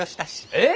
えっ！？